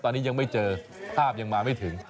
ตอนนี้ยังไม่เจอภาพยังมาไม่ถึง